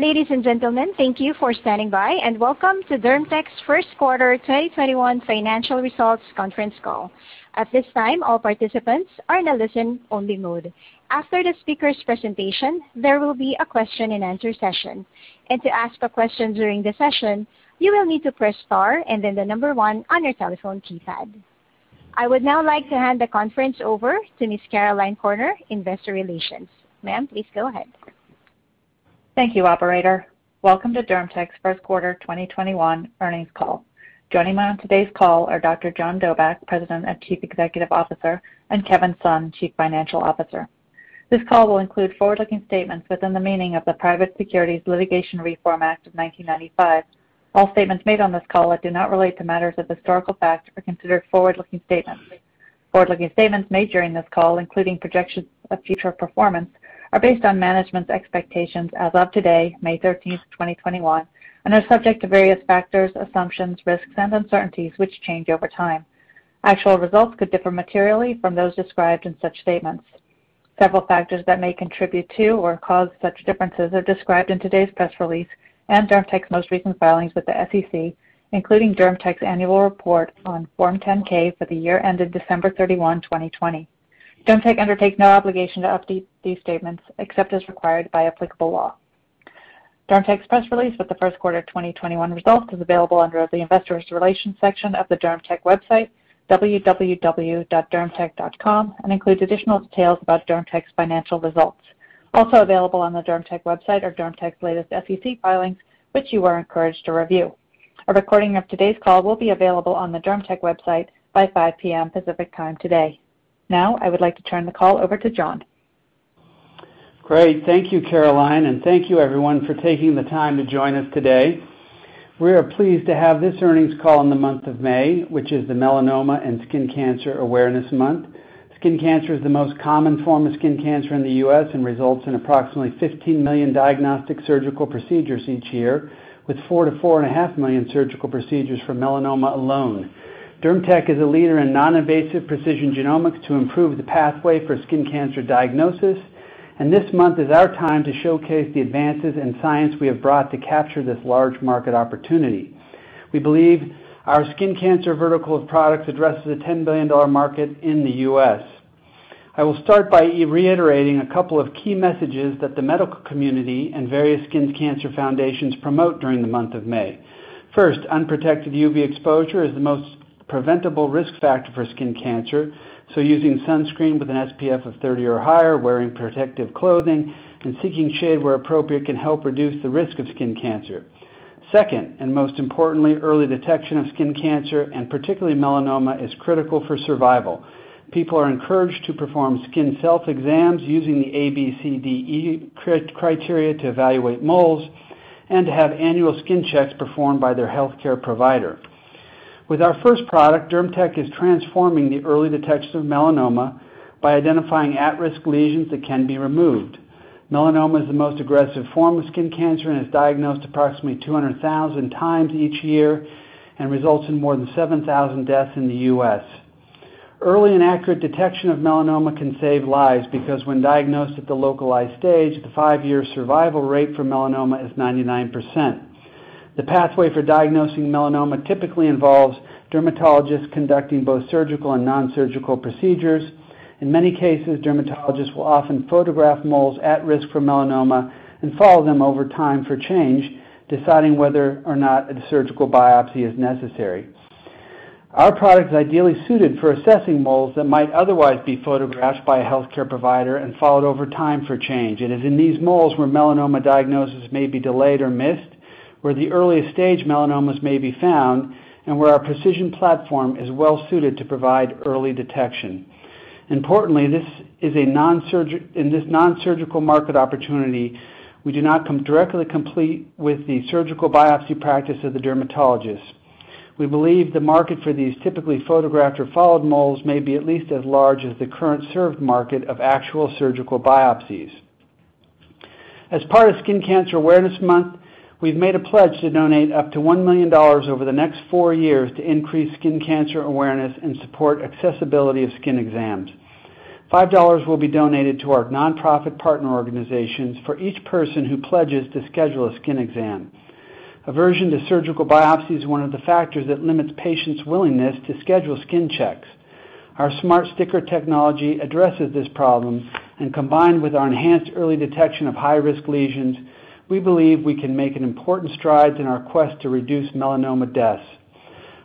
Ladies and gentlemen, thank you for standing by, and welcome to DermTech's first quarter 2021 financial results conference call. At this time, all participants are in a listen-only mode. After the speaker's presentation, there will be a question and answer session. To ask a question during the session, you will need to press star and then the number one on your telephone keypad. I would now like to hand the conference over to Ms. Caroline Corner, investor relations. Ma'am, please go ahead. Thank you, operator. Welcome to DermTech's first quarter 2021 earnings call. Joining me on today's call are Dr. John Dobak, President and Chief Executive Officer, and Kevin Sun, Chief Financial Officer. This call will include forward-looking statements within the meaning of the Private Securities Litigation Reform Act of 1995. All statements made on this call that do not relate to matters of historical fact are considered forward-looking statements. Forward-looking statements made during this call, including projections of future performance, are based on management's expectations as of today, May 13th, 2021, and are subject to various factors, assumptions, risks, and uncertainties, which change over time. Actual results could differ materially from those described in such statements. Several factors that may contribute to or cause such differences are described in today's press release and DermTech's most recent filings with the SEC, including DermTech's annual report on Form 10-K for the year ended December 31, 2020. DermTech undertakes no obligation to update these statements except as required by applicable law. DermTech's press release with the first quarter 2021 results is available under the Investor Relations section of the DermTech website, www.dermtech.com, and includes additional details about DermTech's financial results. Also available on the DermTech website are DermTech's latest SEC filings, which you are encouraged to review. A recording of today's call will be available on the DermTech website by 5:00 PM Pacific Time today. Now, I would like to turn the call over to John. Great. Thank you, Caroline, thank you everyone for taking the time to join us today. We are pleased to have this earnings call in the month of May, which is the Melanoma and Skin Cancer Awareness Month. Skin cancer is the most common form of skin cancer in the U.S. and results in approximately 15 million diagnostic surgical procedures each year, with 4 million-4.5 million surgical procedures for melanoma alone. DermTech is a leader in non-invasive precision genomics to improve the pathway for skin cancer diagnosis. This month is our time to showcase the advances in science we have brought to capture this large market opportunity. We believe our skin cancer vertical of products addresses a $10 billion market in the U.S. I will start by reiterating a couple of key messages that the medical community and various skin cancer foundations promote during the month of May. First, unprotected UV exposure is the most preventable risk factor for skin cancer, so using sunscreen with an SPF of 30 or higher, wearing protective clothing, and seeking shade where appropriate can help reduce the risk of skin cancer. Second, and most importantly, early detection of skin cancer, and particularly melanoma, is critical for survival. People are encouraged to perform skin self exams using the ABCDE criteria to evaluate moles and to have annual skin checks performed by their healthcare provider. With our first product, DermTech is transforming the early detection of melanoma by identifying at-risk lesions that can be removed. Melanoma is the most aggressive form of skin cancer and is diagnosed approximately 200,000 times each year and results in more than 7,000 deaths in the U.S. Early and accurate detection of melanoma can save lives, because when diagnosed at the localized stage, the five-year survival rate for melanoma is 99%. The pathway for diagnosing melanoma typically involves dermatologists conducting both surgical and non-surgical procedures. In many cases, dermatologists will often photograph moles at risk for melanoma and follow them over time for change, deciding whether or not a surgical biopsy is necessary. Our product is ideally suited for assessing moles that might otherwise be photographed by a healthcare provider and followed over time for change. It is in these moles where melanoma diagnosis may be delayed or missed, where the earliest stage melanomas may be found, and where our precision platform is well suited to provide early detection. Importantly, in this non-surgical market opportunity, we do not directly compete with the surgical biopsy practice of the dermatologist. We believe the market for these typically photographed or followed moles may be at least as large as the current served market of actual surgical biopsies. As part of Skin Cancer Awareness Month, we've made a pledge to donate up to $1 million over the next four years to increase skin cancer awareness and support accessibility of skin exams. $5 will be donated to our nonprofit partner organizations for each person who pledges to schedule a skin exam. Aversion to surgical biopsy is one of the factors that limits patients' willingness to schedule skin checks. Our smart sticker technology addresses this problem and combined with our enhanced early detection of high-risk lesions, we believe we can make an important stride in our quest to reduce melanoma deaths.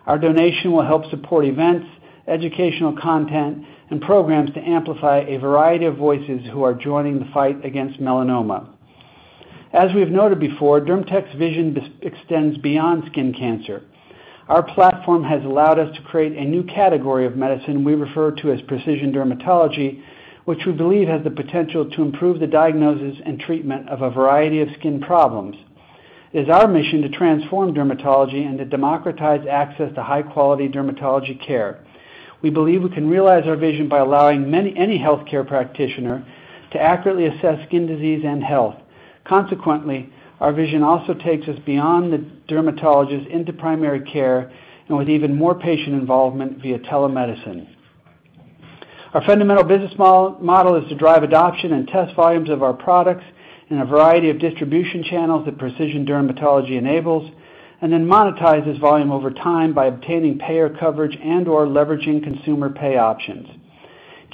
Our donation will help support events, educational content, and programs to amplify a variety of voices who are joining the fight against melanoma. As we've noted before, DermTech's vision extends beyond skin cancer. Our platform has allowed us to create a new category of medicine we refer to as precision dermatology, which we believe has the potential to improve the diagnosis and treatment of a variety of skin problems. It is our mission to transform dermatology and to democratize access to high-quality dermatology care. We believe we can realize our vision by allowing any healthcare practitioner to accurately assess skin disease and health. Consequently, our vision also takes us beyond the dermatologist into primary care and with even more patient involvement via telemedicine. Our fundamental business model is to drive adoption and test volumes of our products in a variety of distribution channels that precision dermatology enables, and then monetize this volume over time by obtaining payer coverage and/or leveraging consumer pay options.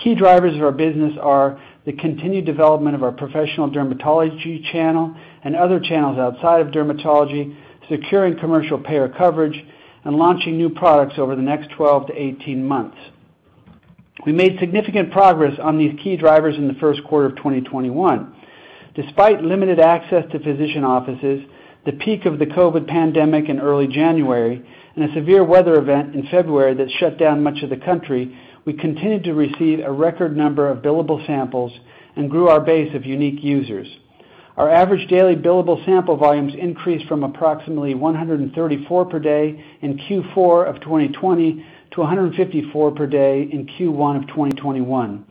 Key drivers of our business are the continued development of our professional dermatology channel and other channels outside of dermatology, securing commercial payer coverage, and launching new products over the next 12-18 months. We made significant progress on these key drivers in the first quarter of 2021. Despite limited access to physician offices, the peak of the COVID pandemic in early January, and a severe weather event in February that shut down much of the country, we continued to receive a record number of billable samples and grew our base of unique users. Our average daily billable sample volumes increased from approximately 134 per day in Q4 of 2020 to 154 per day in Q1 of 2021.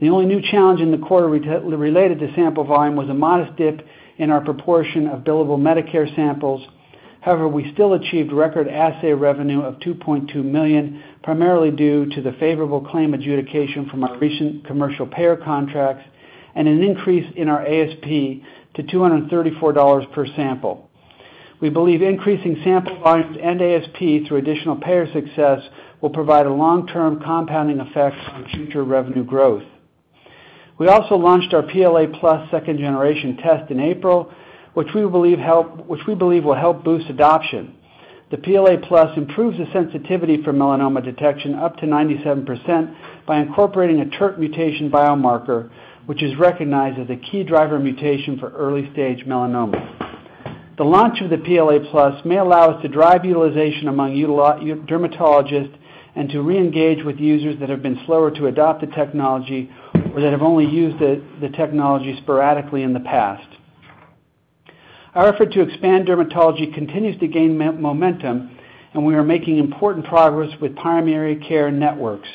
The only new challenge in the quarter related to sample volume was a modest dip in our proportion of billable Medicare samples. However, we still achieved record assay revenue of $2.2 million, primarily due to the favorable claim adjudication from our recent commercial payer contracts and an increase in our ASP to $234 per sample. We believe increasing sample volumes and ASP through additional payer success will provide a long-term compounding effect on future revenue growth. We also launched our PLAplus second generation test in April, which we believe will help boost adoption. The PLAplus improves the sensitivity for melanoma detection up to 97% by incorporating a TERT mutation biomarker, which is recognized as a key driver mutation for early-stage melanoma. The launch of the PLAplus may allow us to drive utilization among dermatologists and to reengage with users that have been slower to adopt the technology or that have only used the technology sporadically in the past. Our effort to expand dermatology continues to gain momentum, and we are making important progress with primary care networks.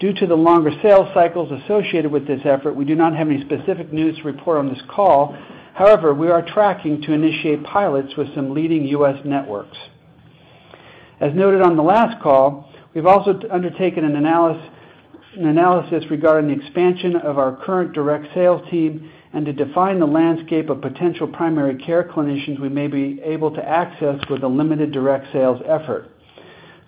Due to the longer sales cycles associated with this effort, we do not have any specific news to report on this call. However, we are tracking to initiate pilots with some leading U.S. networks. As noted on the last call, we've also undertaken an analysis regarding the expansion of our current direct sales team and to define the landscape of potential primary care clinicians we may be able to access with a limited direct sales effort.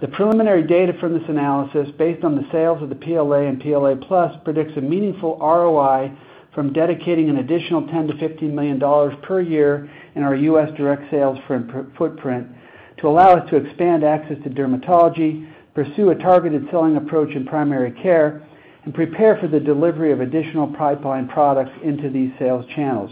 The preliminary data from this analysis, based on the sales of the PLA and PLAplus, predicts a meaningful ROI from dedicating an additional $10 million-$15 million per year in our U.S. direct sales footprint to allow us to expand access to dermatology, pursue a targeted selling approach in primary care, and prepare for the delivery of additional pipeline products into these sales channels.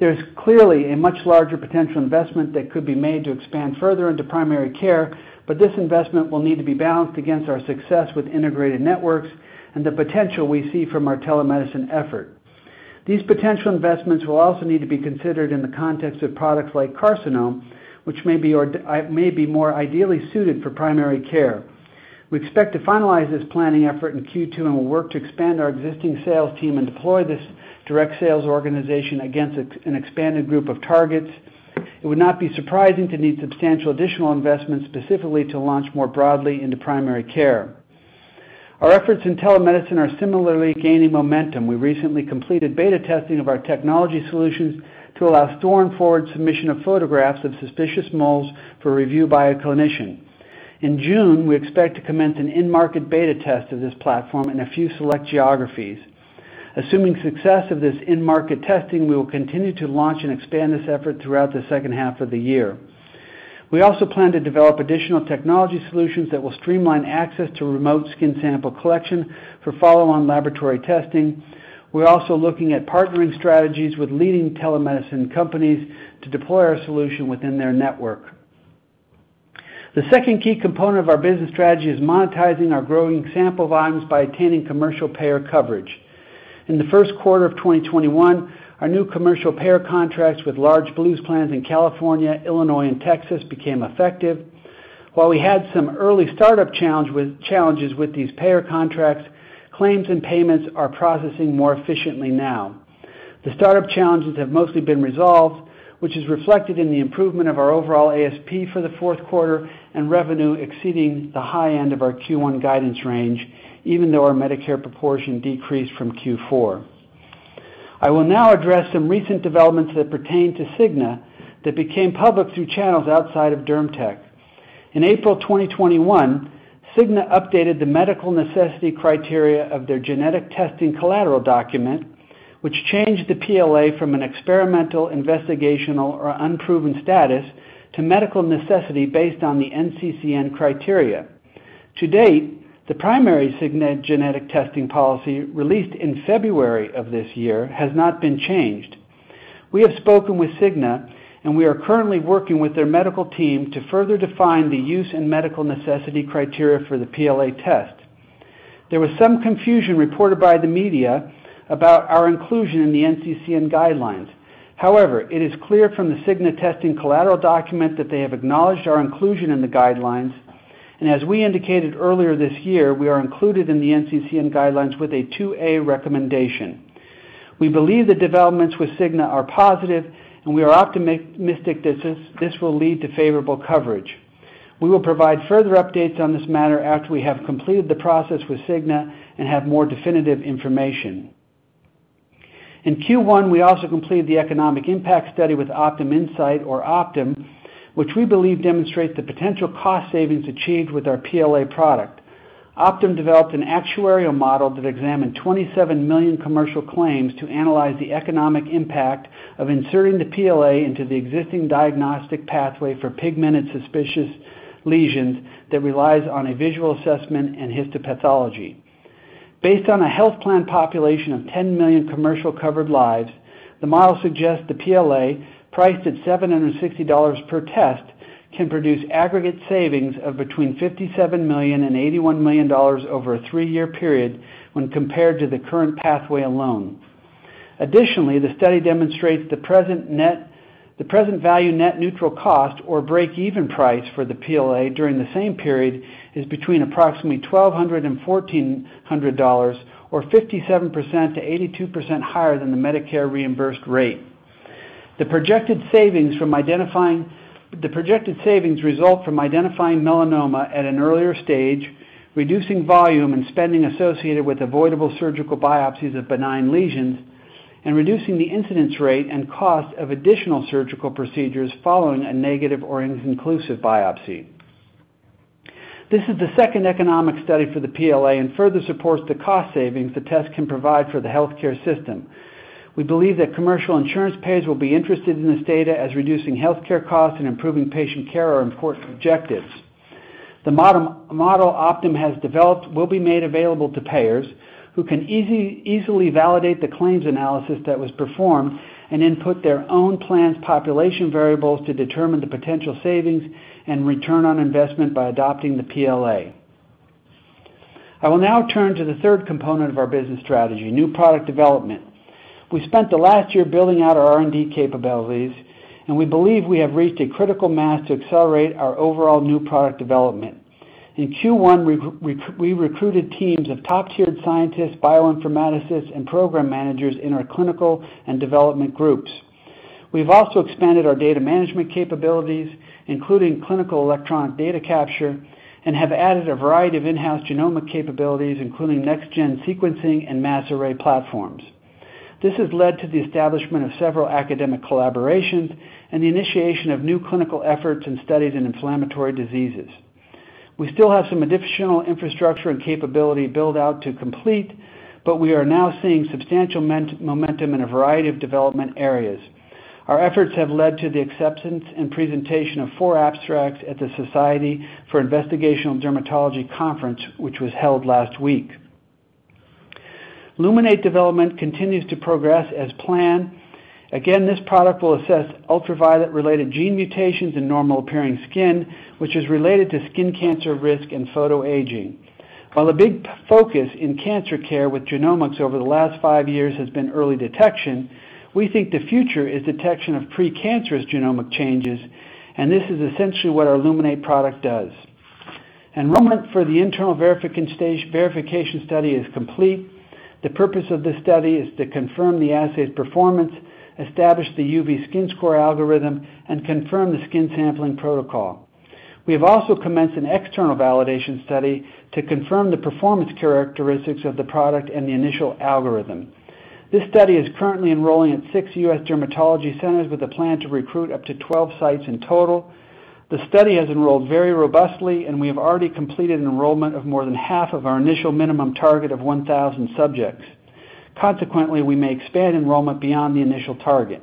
There's clearly a much larger potential investment that could be made to expand further into primary care, but this investment will need to be balanced against our success with integrated networks and the potential we see from our telemedicine effort. These potential investments will also need to be considered in the context of products like Carcinome, which may be more ideally suited for primary care. We expect to finalize this planning effort in Q2 and will work to expand our existing sales team and deploy this direct sales organization against an expanded group of targets. It would not be surprising to need substantial additional investment specifically to launch more broadly into primary care. Our efforts in telemedicine are similarly gaining momentum. We recently completed beta testing of our technology solutions to allow store and forward submission of photographs of suspicious moles for review by a clinician. In June, we expect to commence an in-market beta test of this platform in a few select geographies. Assuming success of this in-market testing, we will continue to launch and expand this effort throughout the second half of the year. We also plan to develop additional technology solutions that will streamline access to remote skin sample collection for follow-on laboratory testing. We're also looking at partnering strategies with leading telemedicine companies to deploy our solution within their network. The second key component of our business strategy is monetizing our growing sample volumes by attaining commercial payer coverage. In the first quarter of 2021, our new commercial payer contracts with large Blues plans in California, Illinois, and Texas became effective. While we had some early startup challenges with these payer contracts, claims and payments are processing more efficiently now. The startup challenges have mostly been resolved, which is reflected in the improvement of our overall ASP for the fourth quarter and revenue exceeding the high end of our Q1 guidance range, even though our Medicare proportion decreased from Q4. I will now address some recent developments that pertain to Cigna that became public through channels outside of DermTech. In April 2021, Cigna updated the medical necessity criteria of their Genetic Testing Collateral document, which changed the PLA from an experimental, investigational, or unproven status to medical necessity based on the NCCN criteria. To date, the primary Cigna genetic testing policy released in February of this year has not been changed. We have spoken with Cigna, and we are currently working with their medical team to further define the use and medical necessity criteria for the PLA test. There was some confusion reported by the media about our inclusion in the NCCN guidelines. However, it is clear from the Cigna testing collateral document that they have acknowledged our inclusion in the guidelines, and as we indicated earlier this year, we are included in the NCCN guidelines with a 2A recommendation. We believe the developments with Cigna are positive, and we are optimistic that this will lead to favorable coverage. We will provide further updates on this matter after we have completed the process with Cigna and have more definitive information. In Q1, we also completed the economic impact study with OptumInsight, or Optum, which we believe demonstrates the potential cost savings achieved with our PLA product. Optum developed an actuarial model that examined 27 million commercial claims to analyze the economic impact of inserting the PLA into the existing diagnostic pathway for pigmented suspicious lesions that relies on a visual assessment and histopathology. Based on a health plan population of 10 million commercial covered lives, the model suggests the PLA, priced at $760 per test, can produce aggregate savings of between $57 million and $81 million over a three-year period when compared to the current pathway alone. Additionally, the study demonstrates the present value net neutral cost, or break-even price, for the PLA during the same period is between approximately $1,200 and $1,400, or 57%-82% higher than the Medicare reimbursed rate. The projected savings result from identifying melanoma at an earlier stage, reducing volume and spending associated with avoidable surgical biopsies of benign lesions, and reducing the incidence rate and cost of additional surgical procedures following a negative or inconclusive biopsy. This is the second economic study for the PLA and further supports the cost savings the test can provide for the healthcare system. We believe that commercial insurance payers will be interested in this data, as reducing healthcare costs and improving patient care are important objectives. The model Optum has developed will be made available to payers who can easily validate the claims analysis that was performed and input their own plans population variables to determine the potential savings and return on investment by adopting the PLA. I will now turn to the third component of our business strategy, new product development. We spent the last year building out our R&D capabilities, and we believe we have reached a critical mass to accelerate our overall new product development. In Q1, we recruited teams of top-tiered scientists, bioinformaticists, and program managers in our clinical and development groups. We've also expanded our data management capabilities, including clinical electronic data capture, and have added a variety of in-house genomic capabilities, including next-gen sequencing and MassARRAY platforms. This has led to the establishment of several academic collaborations and the initiation of new clinical efforts and studies in inflammatory diseases. We still have some additional infrastructure and capability build-out to complete, but we are now seeing substantial momentum in a variety of development areas. Our efforts have led to the acceptance and presentation of four abstracts at the Society for Investigative Dermatology Conference, which was held last week. Luminate development continues to progress as planned. Again, this product will assess ultraviolet related gene mutations in normal appearing skin, which is related to skin cancer risk and photoaging. While a big focus in cancer care with genomics over the last five years has been early detection, we think the future is detection of precancerous genomic changes, this is essentially what our Luminate product does. Enrollment for the internal verification study is complete. The purpose of this study is to confirm the assay's performance, establish the UV skin score algorithm, and confirm the skin sampling protocol. We have also commenced an external validation study to confirm the performance characteristics of the product and the initial algorithm. This study is currently enrolling at six U.S. dermatology centers with a plan to recruit up to 12 sites in total. The study has enrolled very robustly, we have already completed enrollment of more than half of our initial minimum target of 1,000 subjects. Consequently, we may expand enrollment beyond the initial target.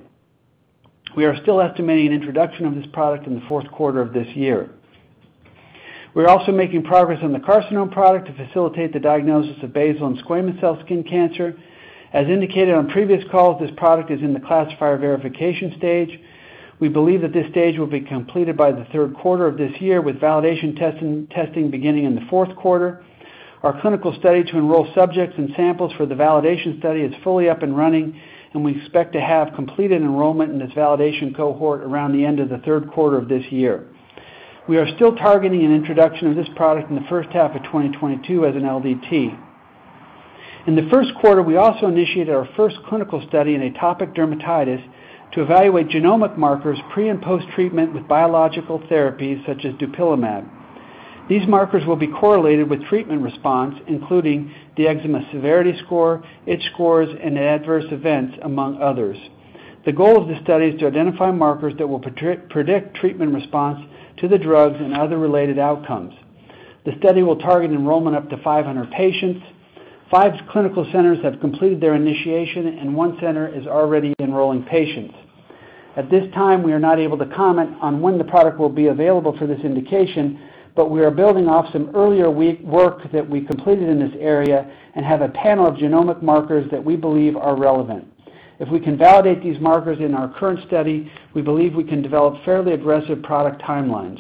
We are still estimating an introduction of this product in the fourth quarter of this year. We're also making progress on the Carcinome product to facilitate the diagnosis of basal and squamous cell skin cancer. As indicated on previous calls, this product is in the classifier verification stage. We believe that this stage will be completed by the third quarter of this year, with validation testing beginning in the fourth quarter. Our clinical study to enroll subjects and samples for the validation study is fully up and running, and we expect to have completed enrollment in this validation cohort around the end of the third quarter of this year. We are still targeting an introduction of this product in the first half of 2022 as an LDT. In the first quarter, we also initiated our first clinical study in atopic dermatitis to evaluate genomic markers pre and post-treatment with biological therapies such as dupilumab. These markers will be correlated with treatment response, including the eczema severity score, itch scores, and adverse events, among others. The goal of the study is to identify markers that will predict treatment response to the drugs and other related outcomes. The study will target enrollment up to 500 patients. Five clinical centers have completed their initiation, and one center is already enrolling patients. At this time, we are not able to comment on when the product will be available for this indication, but we are building off some earlier work that we completed in this area and have a panel of genomic markers that we believe are relevant. If we can validate these markers in our current study, we believe we can develop fairly aggressive product timelines.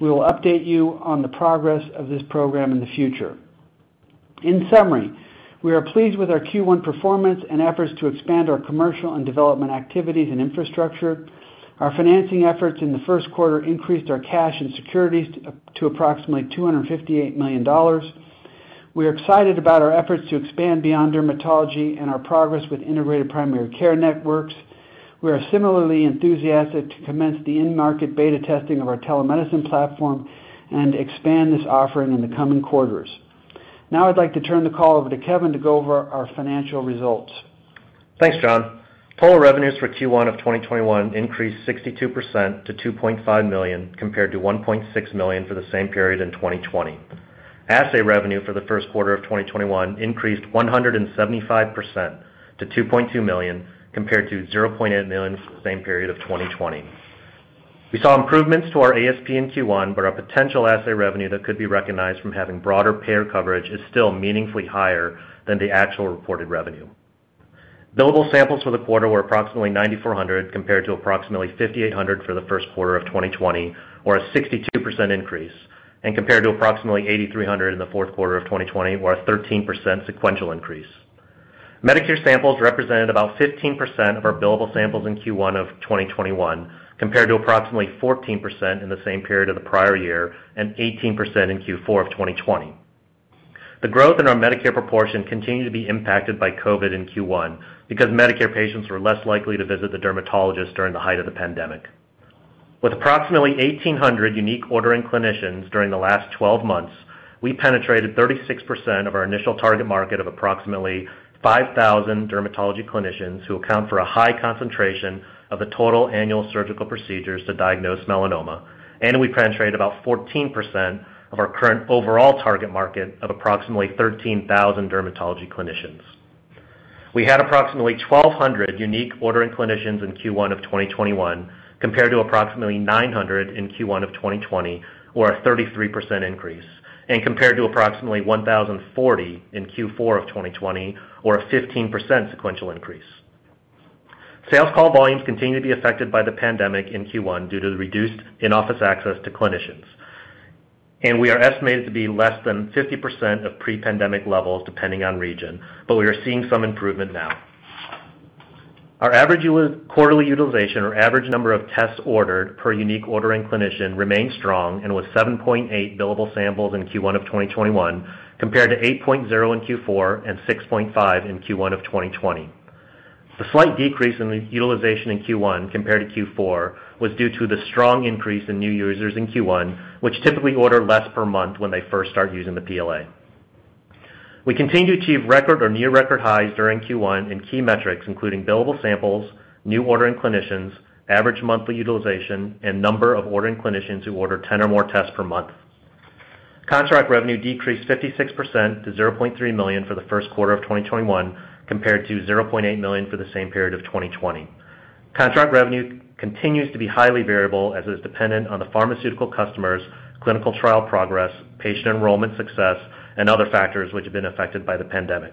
We will update you on the progress of this program in the future. In summary, we are pleased with our Q1 performance and efforts to expand our commercial and development activities and infrastructure. Our financing efforts in the first quarter increased our cash and securities to approximately $258 million. We're excited about our efforts to expand beyond dermatology and our progress with integrated primary care networks. We are similarly enthusiastic to commence the in-market beta testing of our telemedicine platform and expand this offering in the coming quarters. I'd like to turn the call over to Kevin to go over our financial results. Thanks, John. Total revenues for Q1 of 2021 increased 62% to $2.5 million, compared to $1.6 million for the same period in 2020. Assay revenue for the first quarter of 2021 increased 175% to $2.2 million, compared to $0.8 million for the same period of 2020. We saw improvements to our ASP in Q1, but our potential assay revenue that could be recognized from having broader payer coverage is still meaningfully higher than the actual reported revenue. Billable samples for the quarter were approximately 9,400, compared to approximately 5,800 for the first quarter of 2020, or a 62% increase, and compared to approximately 8,300 in the fourth quarter of 2020, or a 13% sequential increase. Medicare samples represented about 15% of our billable samples in Q1 of 2021, compared to approximately 14% in the same period of the prior year and 18% in Q4 of 2020. The growth in our Medicare proportion continued to be impacted by COVID in Q1 because Medicare patients were less likely to visit the dermatologist during the height of the pandemic. With approximately 1,800 unique ordering clinicians during the last 12 months, we penetrated 36% of our initial target market of approximately 5,000 dermatology clinicians who account for a high concentration of the total annual surgical procedures to diagnose melanoma. We penetrated about 14% of our current overall target market of approximately 13,000 dermatology clinicians. We had approximately 1,200 unique ordering clinicians in Q1 of 2021, compared to approximately 900 in Q1 of 2020, or a 33% increase, and compared to approximately 1,040 in Q4 of 2020, or a 15% sequential increase. Sales call volumes continued to be affected by the pandemic in Q1 due to the reduced in-office access to clinicians. We are estimated to be less than 50% of pre-pandemic levels, depending on region, but we are seeing some improvement now. Our average quarterly utilization or average number of tests ordered per unique ordering clinician remained strong and was 7.8 billable samples in Q1 of 2021, compared to 8.0 in Q4 and 6.5 in Q1 of 2020. The slight decrease in the utilization in Q1 compared to Q4 was due to the strong increase in new users in Q1, which typically order less per month when they first start using the PLA. We continued to achieve record or near-record highs during Q1 in key metrics, including billable samples, new ordering clinicians, average monthly utilization, and number of ordering clinicians who order 10 or more tests per month. Contract revenue decreased 56% to $0.3 million for the first quarter of 2021, compared to $0.8 million for the same period of 2020. Contract revenue continues to be highly variable as it is dependent on the pharmaceutical customers' clinical trial progress, patient enrollment success, and other factors which have been affected by the pandemic.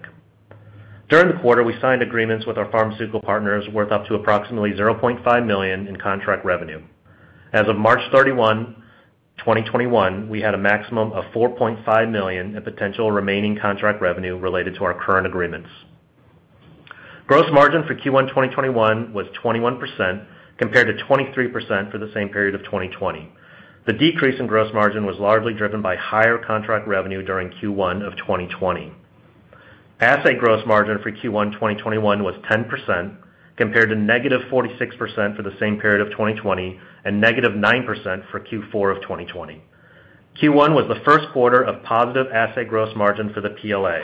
During the quarter, we signed agreements with our pharmaceutical partners worth up to approximately $0.5 million in contract revenue. As of March 31, 2021, we had a maximum of $4.5 million in potential remaining contract revenue related to our current agreements. Gross margin for Q1 2021 was 21%, compared to 23% for the same period of 2020. The decrease in gross margin was largely driven by higher contract revenue during Q1 of 2020. Assay gross margin for Q1 2021 was 10%, compared to -46% for the same period of 2020 and -9% for Q4 of 2020. Q1 was the first quarter of positive assay gross margin for the PLA,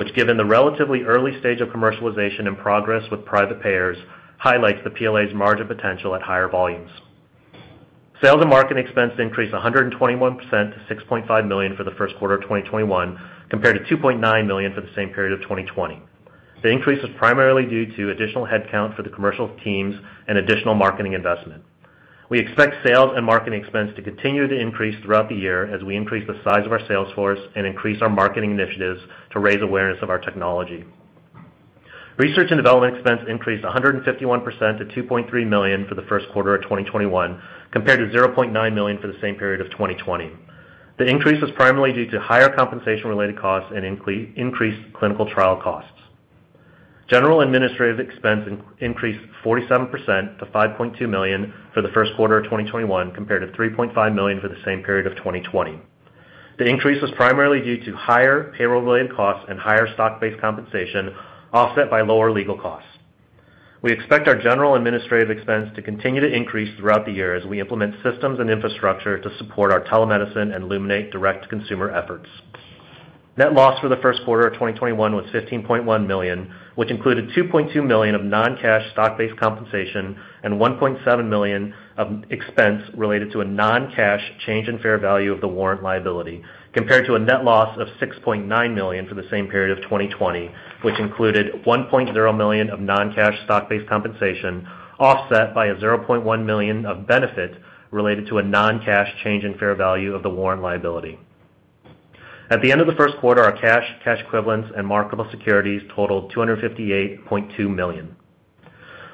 which given the relatively early stage of commercialization and progress with private payers, highlights the PLA's margin potential at higher volumes. Sales and marketing expense increased 121% to $6.5 million for the first quarter of 2021, compared to $2.9 million for the same period of 2020. The increase was primarily due to additional headcount for the commercial teams and additional marketing investment. We expect sales and marketing expense to continue to increase throughout the year as we increase the size of our sales force and increase our marketing initiatives to raise awareness of our technology. Research and development expense increased 151% to $2.3 million for the first quarter of 2021, compared to $0.9 million for the same period of 2020. The increase was primarily due to higher compensation-related costs and increased clinical trial costs. General and administrative expense increased 47% to $5.2 million for the first quarter of 2021, compared to $3.5 million for the same period of 2020. The increase was primarily due to higher payroll-related costs and higher stock-based compensation, offset by lower legal costs. We expect our general and administrative expense to continue to increase throughout the year as we implement systems and infrastructure to support our telemedicine and Luminate direct-to-consumer efforts. Net loss for the first quarter of 2021 was $15.1 million, which included $2.2 million of non-cash stock-based compensation and $1.7 million of expense related to a non-cash change in fair value of the warrant liability, compared to a net loss of $6.9 million for the same period of 2020, which included $1.0 million of non-cash stock-based compensation, offset by a $0.1 million of benefit related to a non-cash change in fair value of the warrant liability. At the end of the first quarter, our cash, cash equivalents, and marketable securities totaled $258.2 million.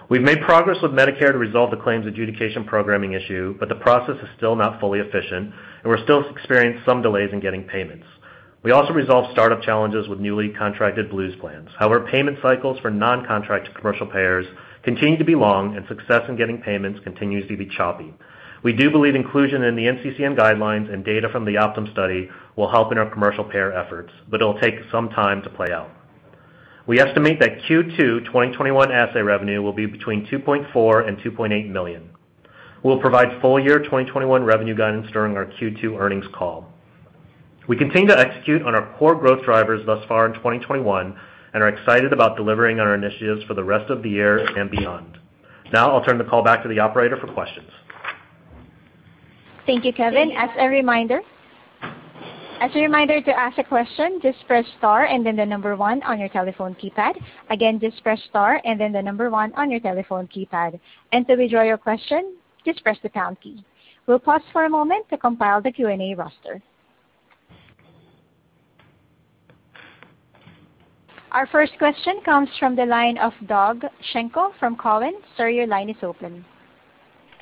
We've made progress with Medicare to resolve the claims adjudication programming issue, but the process is still not fully efficient, and we still experience some delays in getting payments. We also resolved startup challenges with newly contracted Blues plans. Payment cycles for non-contracted commercial payers continue to be long, and success in getting payments continues to be choppy. We do believe inclusion in the NCCN guidelines and data from the Optum study will help in our commercial payer efforts, but it'll take some time to play out. We estimate that Q2 2021 assay revenue will be between $2.4 million and $2.8 million. We'll provide full year 2021 revenue guidance during our Q2 earnings call. We continue to execute on our core growth drivers thus far in 2021 and are excited about delivering on our initiatives for the rest of the year and beyond. Now I'll turn the call back to the operator for questions. Thank you, Kevin. As a reminder to ask a question, just press star and then the number one on your telephone keypad. Again, just press star and then the number one on your telephone keypad. To withdraw your question, just press the pound key. We'll pause for a moment to compile the Q&A roster. Our first question comes from the line of Doug Schenkel from Cowen. Sir, your line is open.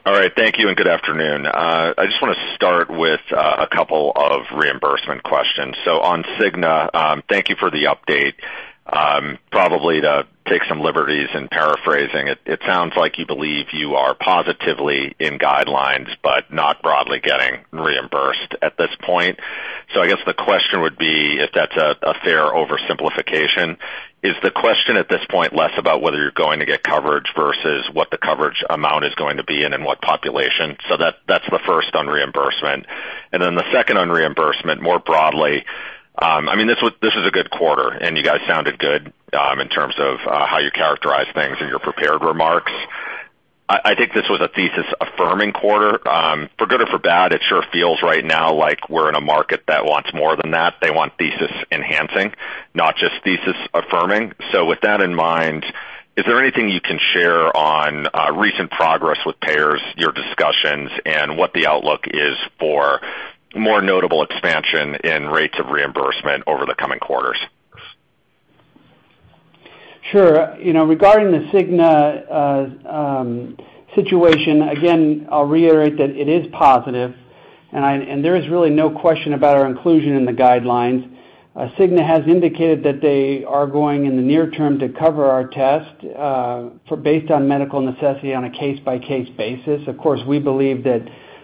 All right. Thank you and good afternoon. I just want to start with a couple of reimbursement questions. On Cigna, thank you for the update. Probably to take some liberties in paraphrasing, it sounds like you believe you are positively in guidelines but not broadly getting reimbursed at this point. I guess the question would be if that's a fair oversimplification, is the question at this point less about whether you're going to get coverage versus what the coverage amount is going to be and in what population? That's the first on reimbursement. The second on reimbursement more broadly, this was a good quarter, and you guys sounded good in terms of how you characterize things in your prepared remarks. I think this was a thesis-affirming quarter. For good or for bad, it sure feels right now like we're in a market that wants more than that. They want thesis enhancing, not just thesis affirming. With that in mind, is there anything you can share on recent progress with payers, your discussions, and what the outlook is for more notable expansion in rates of reimbursement over the coming quarters? Sure. Regarding the Cigna situation, again, I'll reiterate that it is positive, and there is really no question about our inclusion in the guidelines. Cigna has indicated that they are going in the near term to cover our test based on medical necessity on a case-by-case basis. Of course, we believe that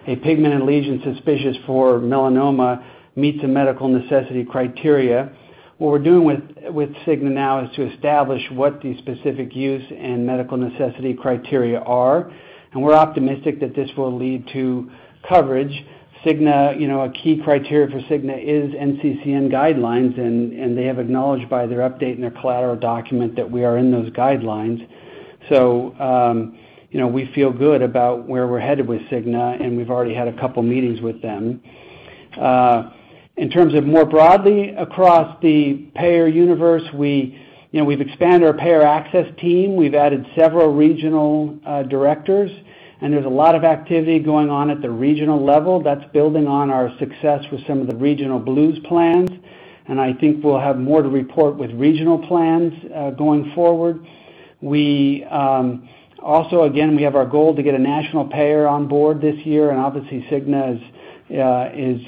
a pigmented lesion suspicious for melanoma meets the medical necessity criteria. What we're doing with Cigna now is to establish what the specific use and medical necessity criteria are, and we're optimistic that this will lead to coverage. A key criteria for Cigna is NCCN guidelines, and they have acknowledged by their update in their collateral document that we are in those guidelines. We feel good about where we're headed with Cigna, and we've already had a couple of meetings with them. In terms of more broadly across the payer universe, we've expanded our payer access team. We've added several regional directors. There's a lot of activity going on at the regional level that's building on our success with some of the regional Blues plans. I think we'll have more to report with regional plans going forward. Also, again, we have our goal to get a national payer on board this year, and obviously Cigna is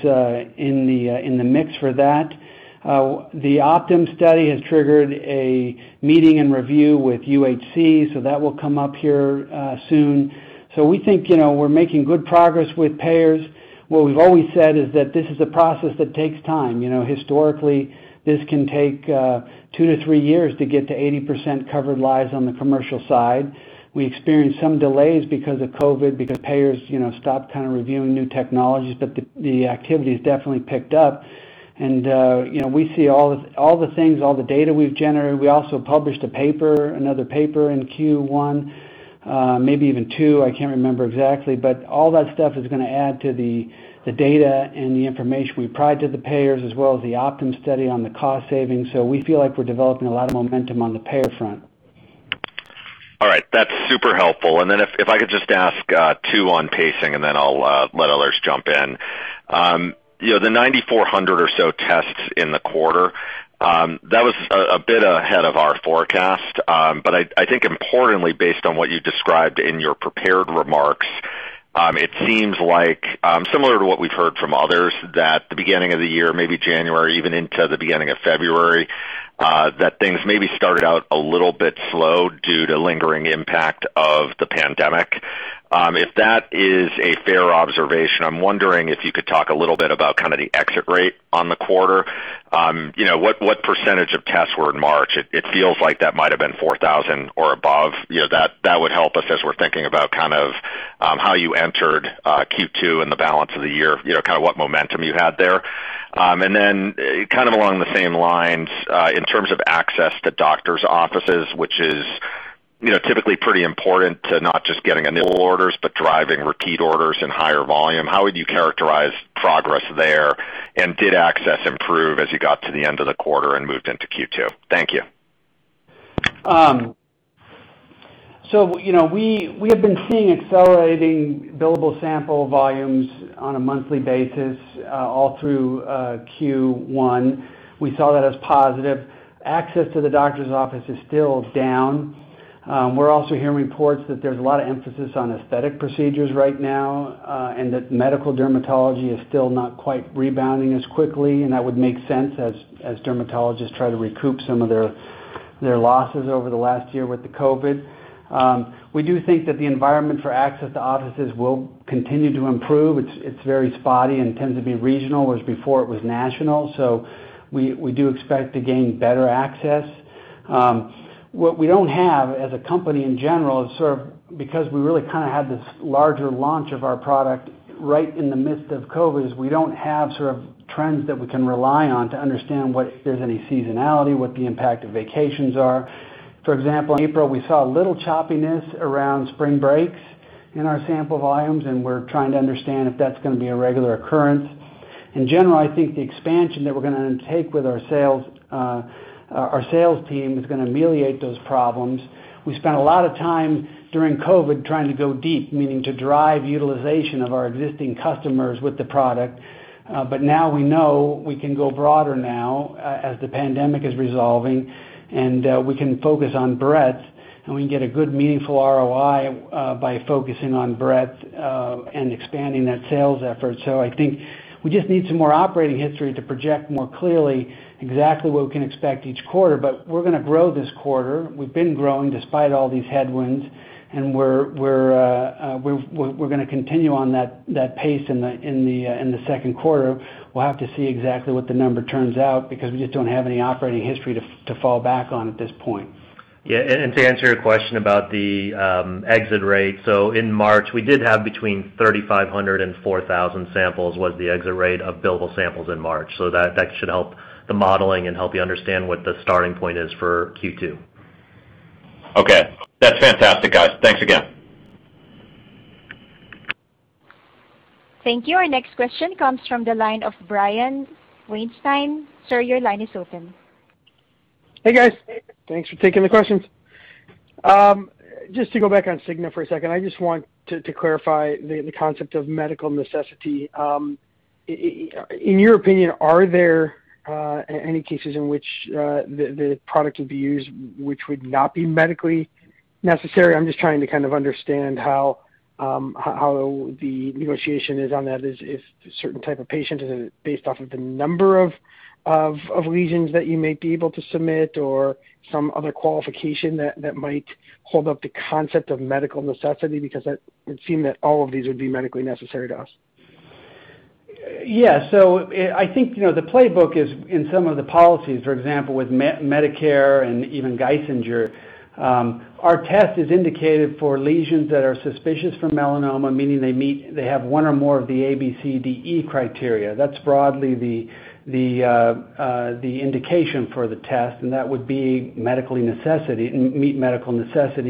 in the mix for that. The Optum study has triggered a meeting and review with UHC, so that will come up here soon. We think we're making good progress with payers. What we've always said is that this is a process that takes time. Historically, this can take two to three years to get to 80% covered lives on the commercial side. We experienced some delays because of COVID, because payers stopped reviewing new technologies. The activity has definitely picked up, and we see all the things, all the data we've generated. We also published a paper, another paper in Q1, maybe even two, I can't remember exactly. All that stuff is going to add to the data and the information we provide to the payers as well as the Optum study on the cost savings. We feel like we're developing a lot of momentum on the payer front. All right. That's super helpful. Then if I could just ask two on pacing, and then I'll let others jump in. The 9,400 or so tests in the quarter, that was a bit ahead of our forecast. I think importantly, based on what you described in your prepared remarks, it seems like, similar to what we've heard from others, that the beginning of the year, maybe January, even into the beginning of February, that things maybe started out a little bit slow due to lingering impact of the pandemic. If that is a fair observation, I'm wondering if you could talk a little bit about the exit rate on the quarter. What percentage of tests were in March? It feels like that might have been 4,000 or above. That would help us as we're thinking about how you entered Q2 and the balance of the year, what momentum you had there. Along the same lines, in terms of access to doctors' offices, which is typically pretty important to not just getting initial orders, but driving repeat orders and higher volume, how would you characterize progress there? Did access improve as you got to the end of the quarter and moved into Q2? Thank you. We have been seeing accelerating billable sample volumes on a monthly basis all through Q1. We saw that as positive. Access to the doctor's office is still down. We're also hearing reports that there's a lot of emphasis on aesthetic procedures right now, and that medical dermatology is still not quite rebounding as quickly, and that would make sense as dermatologists try to recoup some of their losses over the last year with the COVID. We do think that the environment for access to offices will continue to improve. It's very spotty and tends to be regional, whereas before it was national. We do expect to gain better access. What we don't have as a company in general, because we really had this larger launch of our product right in the midst of COVID, is we don't have trends that we can rely on to understand if there's any seasonality, what the impact of vacations are. For example, in April, we saw a little choppiness around spring breaks in our sample volumes, and we're trying to understand if that's going to be a regular occurrence. In general, I think the expansion that we're going to undertake with our sales team is going to ameliorate those problems. We spent a lot of time during COVID trying to go deep, meaning to drive utilization of our existing customers with the product. Now we know we can go broader now as the pandemic is resolving, and we can focus on breadth, and we can get a good, meaningful ROI by focusing on breadth and expanding that sales effort. I think we just need some more operating history to project more clearly exactly what we can expect each quarter. We're going to grow this quarter. We've been growing despite all these headwinds, and we're going to continue on that pace in the second quarter. We'll have to see exactly what the number turns out because we just don't have any operating history to fall back on at this point. Yeah. To answer your question about the exit rate, in March, we did have between 3,500 and 4,000 samples was the exit rate of billable samples in March. That should help the modeling and help you understand what the starting point is for Q2. Okay. That's fantastic, guys. Thanks again. Thank you. Our next question comes from the line of Brian Weinstein. Sir, your line is open. Hey, guys. Thanks for taking the questions. Just to go back on Cigna for a second, I just want to clarify the concept of medical necessity. In your opinion, are there any cases in which the product could be used which would not be medically necessary? I'm just trying to understand how the negotiation is on that. Is a certain type of patient, is it based off of the number of lesions that you may be able to submit or some other qualification that might hold up the concept of medical necessity? It would seem that all of these would be medically necessary to us. Yeah. I think the playbook is in some of the policies, for example, with Medicare and even Geisinger. Our test is indicated for lesions that are suspicious for melanoma, meaning they have one or more of the ABCDE criteria. That's broadly the indication for the test, and that would meet medical necessity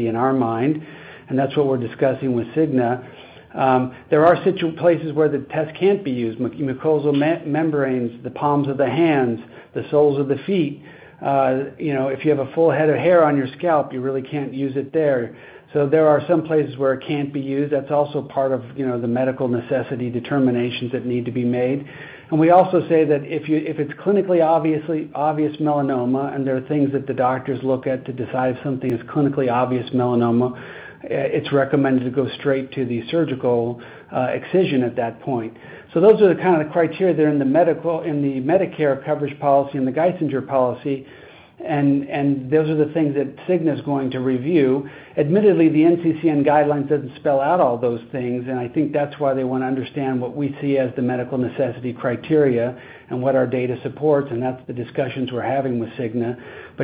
in our mind, and that's what we're discussing with Cigna. There are places where the test can't be used. Mucosal membranes, the palms of the hands, the soles of the feet. If you have a full head of hair on your scalp, you really can't use it there. There are some places where it can't be used. That's also part of the medical necessity determinations that need to be made. We also say that if it's clinically obvious melanoma and there are things that the doctors look at to decide if something is clinically obvious melanoma, it's recommended to go straight to the surgical excision at that point. Those are the kind of criteria that are in the Medicare coverage policy and the Geisinger policy, and those are the things that Cigna's going to review. Admittedly, the NCCN guidelines doesn't spell out all those things, and I think that's why they want to understand what we see as the medical necessity criteria and what our data supports, and that's the discussions we're having with Cigna.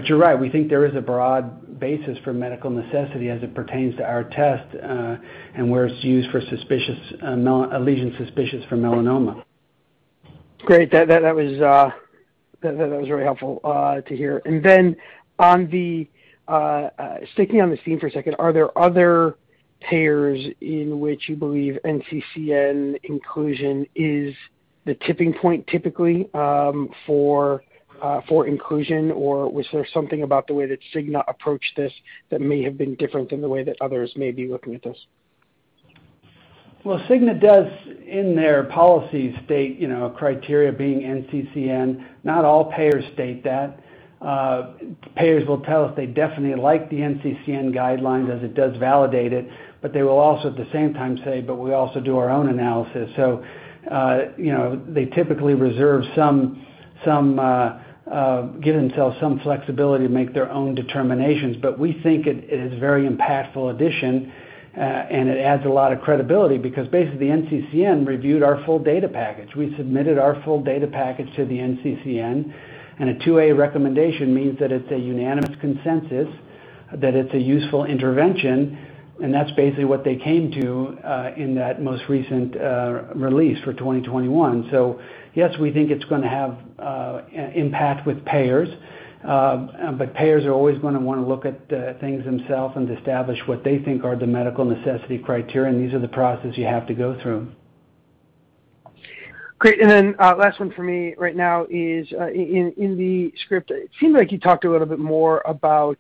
You're right, we think there is a broad basis for medical necessity as it pertains to our test, and where it's used for a lesion suspicious for melanoma. Great. That was really helpful to hear. Sticking on this theme for a second, are there other payers in which you believe NCCN inclusion is the tipping point typically for inclusion, or was there something about the way that Cigna approached this that may have been different than the way that others may be looking at this? Cigna does, in their policy state, a criteria being NCCN. Not all payers state that. Payers will tell us they definitely like the NCCN guidelines as it does validate it, but they will also at the same time say, but we also do our own analysis. They typically give themselves some flexibility to make their own determinations. We think it is a very impactful addition, and it adds a lot of credibility because basically the NCCN reviewed our full data package. We submitted our full data package to the NCCN, and a 2A recommendation means that it's a unanimous consensus that it's a useful intervention, and that's basically what they came to in that most recent release for 2021. Yes, we think it's going to have impact with payers. Payers are always going to want to look at things themselves and establish what they think are the medical necessity criteria, and these are the process you have to go through. Great. Last one for me right now is in the script, it seemed like you talked a little bit more about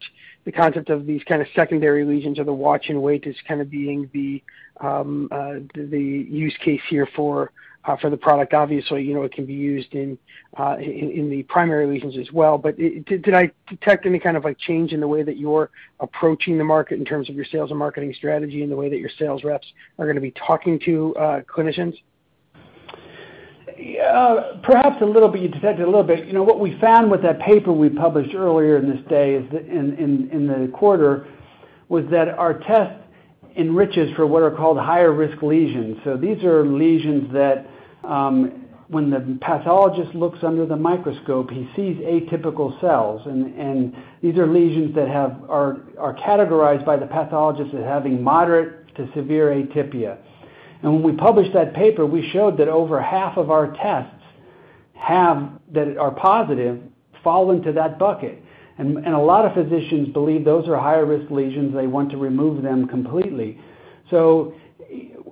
the concept of these kind of secondary lesions or the watch and wait as kind of being the use case here for the product. Obviously, it can be used in the primary lesions as well. Did I detect any kind of a change in the way that you're approaching the market in terms of your sales and marketing strategy and the way that your sales reps are going to be talking to clinicians? Perhaps a little bit. You detected a little bit. What we found with that paper we published earlier in the quarter was that our test enriches for what are called higher risk lesions. These are lesions that when the pathologist looks under the microscope, he sees atypical cells. These are lesions that are categorized by the pathologist as having moderate to severe atypia. When we published that paper, we showed that over half of our tests that are positive fall into that bucket. A lot of physicians believe those are higher risk lesions. They want to remove them completely.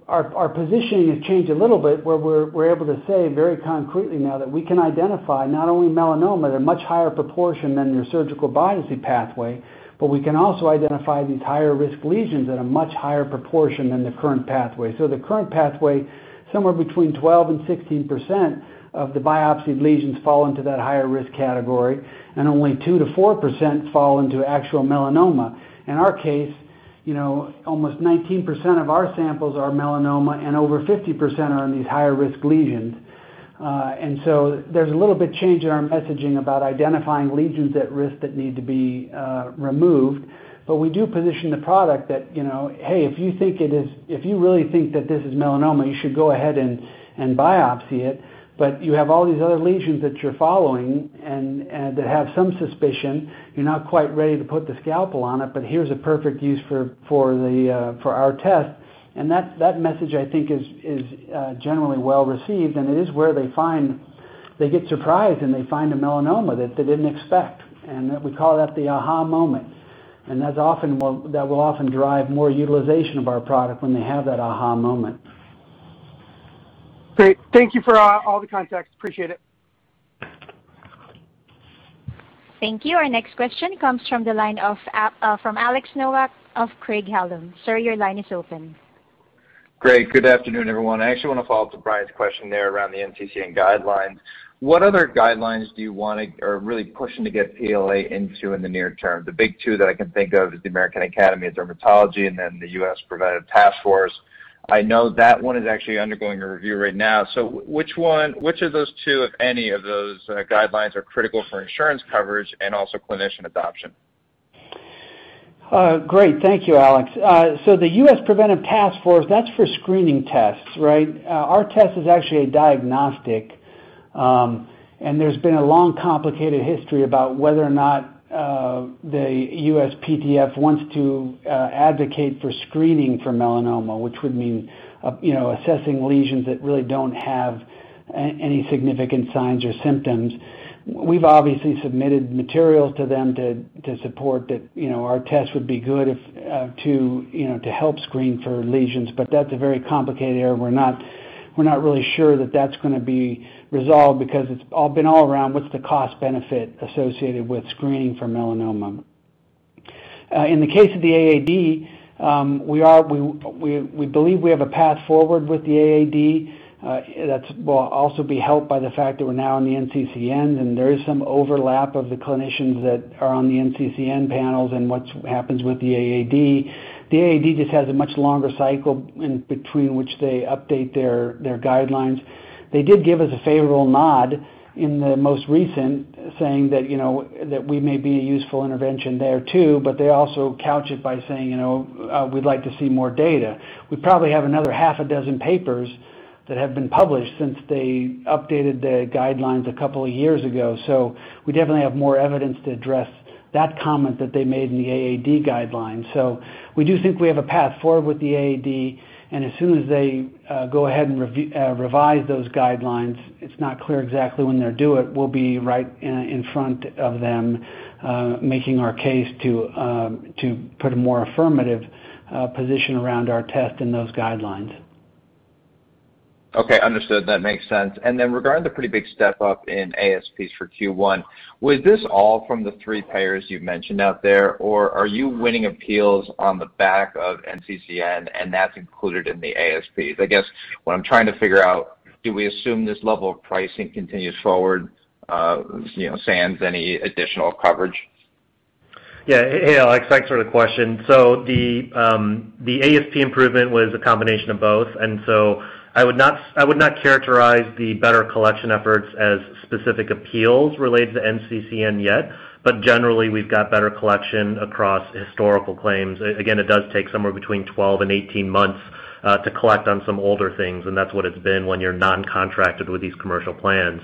Our positioning has changed a little bit, where we're able to say very concretely now that we can identify not only melanoma at a much higher proportion than your surgical biopsy pathway, but we can also identify these higher risk lesions at a much higher proportion than the current pathway. The current pathway, somewhere between 12% and 16% of the biopsied lesions fall into that higher risk category, and only 2%-4% fall into actual melanoma. In our case, almost 19% of our samples are melanoma, and over 50% are in these higher risk lesions. There's a little bit change in our messaging about identifying lesions at risk that need to be removed. We do position the product that, hey, if you really think that this is melanoma, you should go ahead and biopsy it. You have all these other lesions that you're following and that have some suspicion, you're not quite ready to put the scalpel on it, but here's a perfect use for our test. That message, I think, is generally well received, and it is where they get surprised, and they find a melanoma that they didn't expect, and we call that the aha moment. That will often drive more utilization of our product when they have that aha moment. Great. Thank you for all the context. Appreciate it. Thank you. Our next question comes from the line of Alex Nowak of Craig-Hallum. Sir, your line is open. Great. Good afternoon, everyone. I actually want to follow up to Brian's question there around the NCCN guidelines. What other guidelines do you want to, or really pushing to get PLA into in the near term? The big two that I can think of is the American Academy of Dermatology and then the U.S. Preventive Services Task Force. I know that one is actually undergoing a review right now. Which of those two, if any of those guidelines are critical for insurance coverage and also clinician adoption? Great. Thank you, Alex. The U.S. Preventive Task Force, that's for screening tests, right? Our test is actually a diagnostic, and there's been a long, complicated history about whether or not the USPSTF wants to advocate for screening for melanoma, which would mean assessing lesions that really don't have any significant signs or symptoms. We've obviously submitted materials to them to support that our test would be good to help screen for lesions, but that's a very complicated area. We're not really sure that's going to be resolved because it's been all around what's the cost benefit associated with screening for melanoma. In the case of the AAD, we believe we have a path forward with the AAD that will also be helped by the fact that we're now in the NCCN, and there is some overlap of the clinicians that are on the NCCN panels and what happens with the AAD. The AAD just has a much longer cycle in between which they update their guidelines. They did give us a favorable nod in the most recent, saying that we may be a useful intervention there, too. They also couch it by saying, we'd like to see more data. We probably have another half a dozen papers that have been published since they updated the guidelines a couple of years ago. We definitely have more evidence to address that comment that they made in the AAD guidelines. We do think we have a path forward with the AAD, and as soon as they go ahead and revise those guidelines, it's not clear exactly when they'll do it, we'll be right in front of them making our case to put a more affirmative position around our test in those guidelines. Okay, understood. That makes sense. Regarding the pretty big step up in ASPs for Q1, was this all from the three payers you've mentioned out there, or are you winning appeals on the back of NCCN and that's included in the ASPs? I guess what I'm trying to figure out, do we assume this level of pricing continues forward sans any additional coverage? Hey, Alex. Thanks for the question. The ASP improvement was a combination of both, so I would not characterize the better collection efforts as specific appeals related to NCCN yet. Generally, we've got better collection across historical claims. Again, it does take somewhere between 12 and 18 months to collect on some older things, and that's what it's been when you're non-contracted with these commercial plans.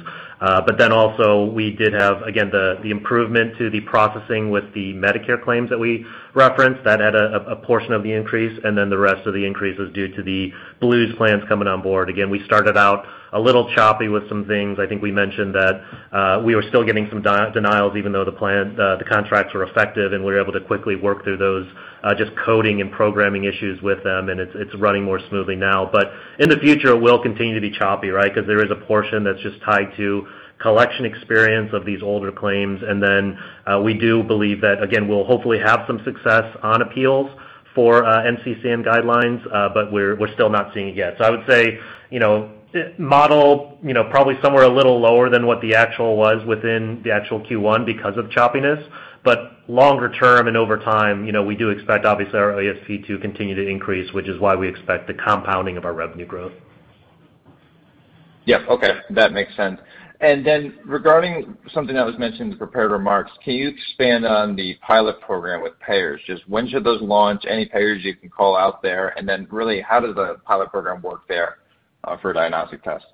Also, we did have, again, the improvement to the processing with the Medicare claims that we referenced, that had a portion of the increase, the rest of the increase was due to the Blues plans coming on board. Again, we started out a little choppy with some things. I think we mentioned that we were still getting some denials even though the contracts were effective, and we were able to quickly work through those just coding and programming issues with them, and it's running more smoothly now. In the future, it will continue to be choppy, right? Because there is a portion that's just tied to collection experience of these older claims. We do believe that, again, we'll hopefully have some success on appeals for NCCN guidelines, but we're still not seeing it yet. I would say model probably somewhere a little lower than what the actual was within the actual Q1 because of choppiness. Longer term and over time, we do expect obviously our ASP to continue to increase, which is why we expect the compounding of our revenue growth. Yeah. Okay. That makes sense. Regarding something that was mentioned in the prepared remarks, can you expand on the pilot program with payers? Just when should those launch? Any payers you can call out there, and then really, how does the pilot program work there for diagnostic tests?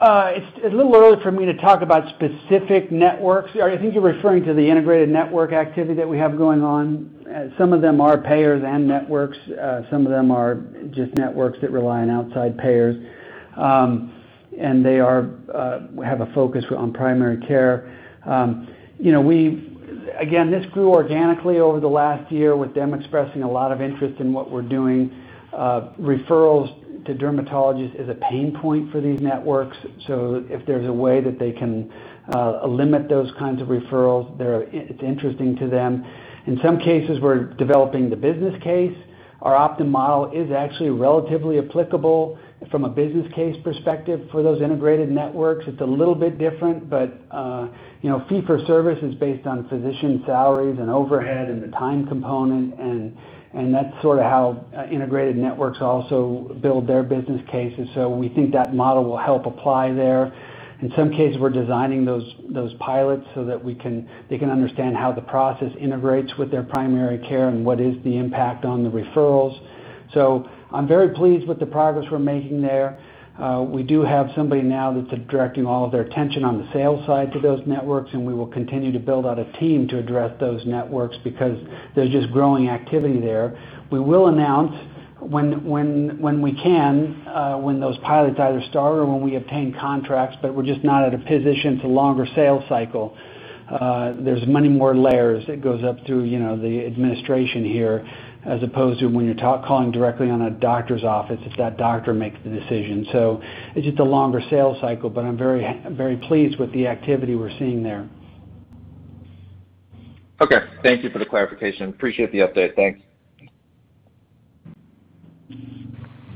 It's a little early for me to talk about specific networks. I think you're referring to the integrated network activity that we have going on. Some of them are payers and networks. Some of them are just networks that rely on outside payers. They have a focus on primary care. Again, this grew organically over the last year with them expressing a lot of interest in what we're doing. Referrals to dermatologists is a pain point for these networks. If there's a way that they can limit those kinds of referrals, it's interesting to them. In some cases, we're developing the business case. Our Optum model is actually relatively applicable from a business case perspective for those integrated networks. It's a little bit different, but fee for service is based on physician salaries and overhead and the time component, and that's sort of how integrated networks also build their business cases. We think that model will help apply there. In some cases, we're designing those pilots so that they can understand how the process integrates with their primary care and what is the impact on the referrals. I'm very pleased with the progress we're making there. We do have somebody now that's directing all of their attention on the sales side to those networks, and we will continue to build out a team to address those networks because there's just growing activity there. We will announce when we can, when those pilots either start or when we obtain contracts, but we're just not at a position. It's a longer sales cycle. There's many more layers that goes up through the administration here as opposed to when you're calling directly on a doctor's office if that doctor makes the decision. It's just a longer sales cycle, but I'm very pleased with the activity we're seeing there. Okay. Thank you for the clarification. Appreciate the update. Thanks.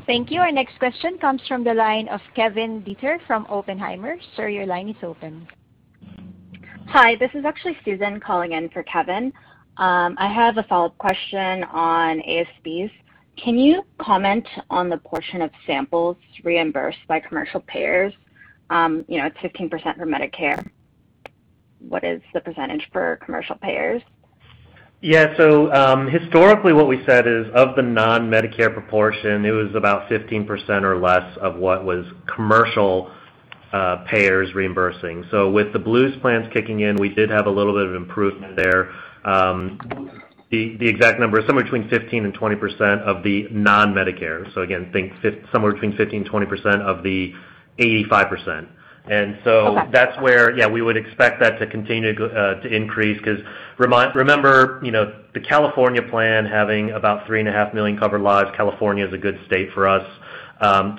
Thank you. Our next question comes from the line of Kevin DeGeeter from Oppenheimer. Sir, your line is open. Hi, this is actually Susan calling in for Kevin. I have a follow-up question on ASPs. Can you comment on the portion of samples reimbursed by commercial payers? It's 15% for Medicare. What is the percentage for commercial payers? Yeah. Historically what we said is of the non-Medicare proportion, it was about 15% or less of what was commercial payers reimbursing. With the Blues plans kicking in, we did have a little bit of improvement there. The exact number is somewhere between 15% and 20% of the non-Medicare. Again, think somewhere between 15% and 20% of the 85%. Okay That's where, yeah, we would expect that to continue to increase because remember, the California plan having about 3.5 million covered lives. California is a good state for us.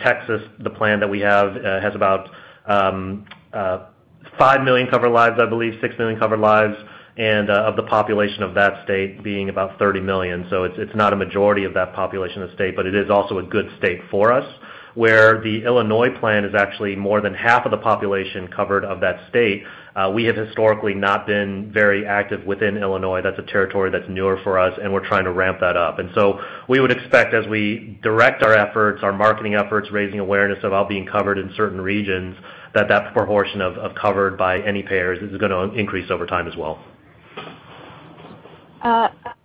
Texas, the plan that we have has about 5 million covered lives, I believe 6 million covered lives, and of the population of that state being about 30 million. It's not a majority of that population of the state, but it is also a good state for us, where the Illinois plan is actually more than half of the population covered of that state. We have historically not been very active within Illinois. That's a territory that's newer for us, and we're trying to ramp that up. We would expect as we direct our efforts, our marketing efforts, raising awareness about being covered in certain regions, that proportion of covered by any payers is going to increase over time as well.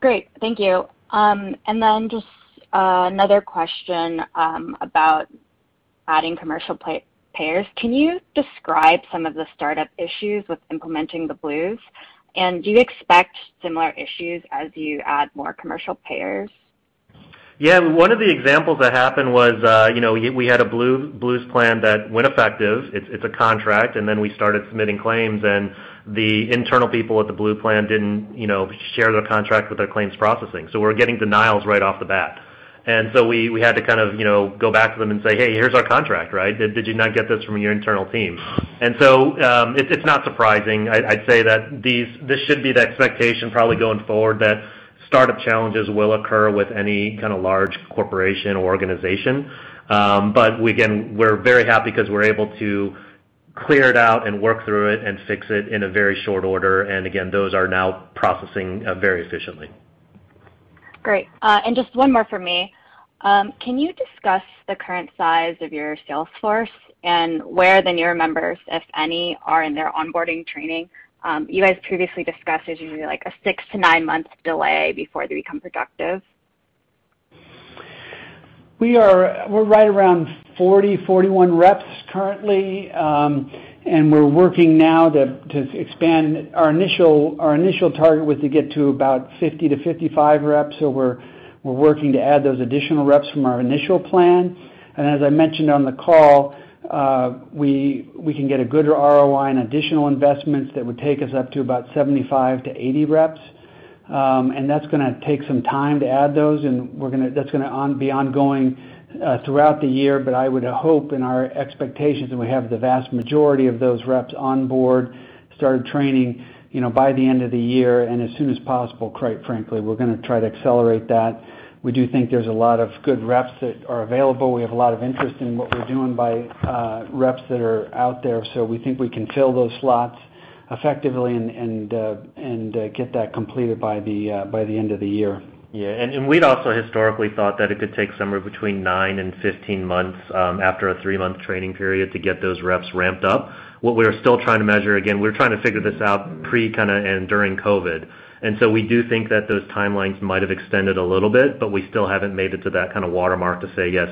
Great. Thank you. Just another question about adding commercial payers. Can you describe some of the startup issues with implementing the Blues? Do you expect similar issues as you add more commercial payers? One of the examples that happened was we had a Blues plan that went effective. It's a contract, then we started submitting claims, the internal people at the Blues plan didn't share their contract with their claims processing. We're getting denials right off the bat. We had to go back to them and say, hey, here's our contract. Did you not get this from your internal team? It's not surprising. I'd say that this should be the expectation probably going forward, that startup challenges will occur with any large corporation or organization. Again, we're very happy because we're able to clear it out and work through it and fix it in a very short order. Again, those are now processing very efficiently. Great. Just one more from me. Can you discuss the current size of your sales force and where the newer members, if any, are in their onboarding training? You guys previously discussed there's usually like a six to nine months delay before they become productive. We're right around 40, 41 reps currently. We're working now to expand. Our initial target was to get to about 50-55 reps. We're working to add those additional reps from our initial plan. As I mentioned on the call, we can get a good ROI on additional investments that would take us up to about 75-80 reps. That's going to take some time to add those, and that's going to be ongoing throughout the year. I would hope in our expectations that we have the vast majority of those reps on board, started training, by the end of the year and as soon as possible, quite frankly. We're going to try to accelerate that. We do think there's a lot of good reps that are available. We have a lot of interest in what we're doing by reps that are out there. We think we can fill those slots effectively and get that completed by the end of the year. Yeah. We'd also historically thought that it could take somewhere between nine and 15 months, after a three-month training period, to get those reps ramped up. What we're still trying to measure, again, we're trying to figure this out pre and during COVID. We do think that those timelines might have extended a little bit, but we still haven't made it to that kind of watermark to say, yes,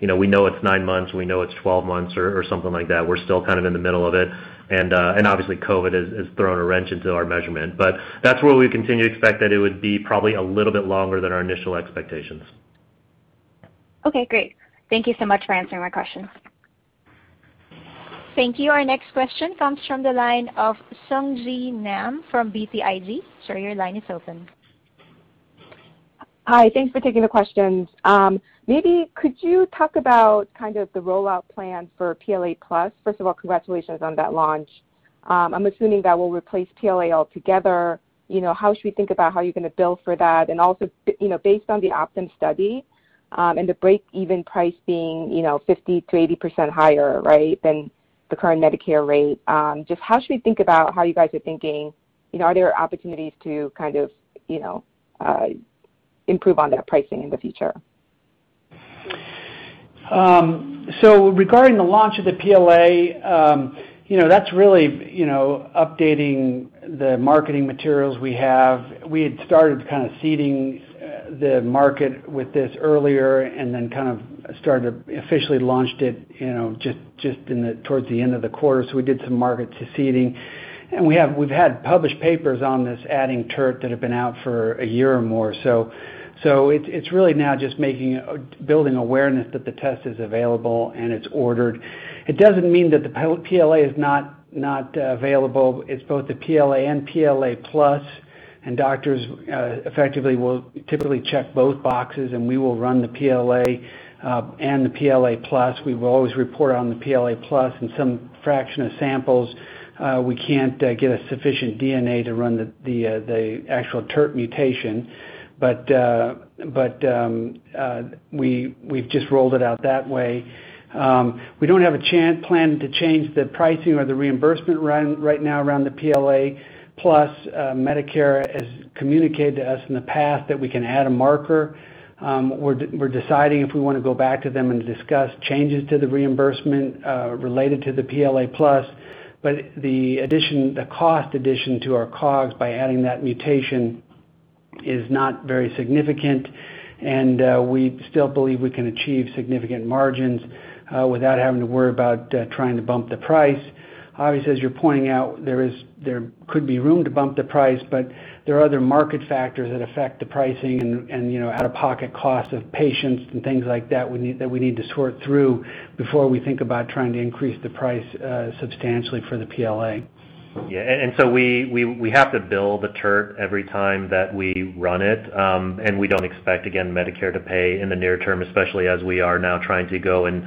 we know it's nine months, we know it's 12 months, or something like that. We're still in the middle of it. Obviously COVID has thrown a wrench into our measurement. That's where we continue to expect that it would be probably a little bit longer than our initial expectations. Okay, great. Thank you so much for answering my questions. Thank you. Our next question comes from the line of Sung Ji Nam from BTIG. Sir, your line is open. Hi. Thanks for taking the questions. Could you talk about kind of the rollout plan for PLAplus? First of all, congratulations on that launch. I'm assuming that will replace PLA altogether. How should we think about how you're going to bill for that? Based on the Optum study, and the break-even price being 50%-80% higher, right, than the current Medicare rate, just how should we think about how you guys are thinking, are there opportunities to improve on that pricing in the future? Regarding the launch of the PLA, that's really updating the marketing materials we have. We had started kind of seeding the market with this earlier and then officially launched it just towards the end of the quarter. We did some market seeding. We've had published papers on this adding TERT that have been out for a year or more. It's really now just building awareness that the test is available and it's ordered. It doesn't mean that the PLA is not available. It's both the PLA and PLAplus, and doctors effectively will typically check both boxes, and we will run the PLA and the PLAplus. We will always report on the PLAplus, and some fraction of samples we can't get a sufficient DNA to run the actual TERT mutation. We've just rolled it out that way. We don't have a plan to change the pricing or the reimbursement right now around the PLAplus. Medicare has communicated to us in the past that we can add a marker. We're deciding if we want to go back to them and discuss changes to the reimbursement related to the PLAplus. The cost addition to our COGS by adding that mutation is not very significant, and we still believe we can achieve significant margins, without having to worry about trying to bump the price. Obviously, as you're pointing out, there could be room to bump the price, but there are other market factors that affect the pricing and out-of-pocket cost of patients and things like that we need to sort through before we think about trying to increase the price substantially for the PLA. Yeah. We have to bill the TERT every time that we run it. We don't expect, again, Medicare to pay in the near term, especially as we are now trying to go and